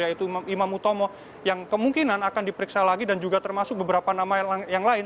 yaitu imam utomo yang kemungkinan akan diperiksa lagi dan juga termasuk beberapa nama yang lain